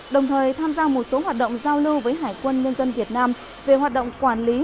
đồng thời tham gia một số hoạt động giao lưu với hải quân nhân dân việt nam về hoạt động quản lý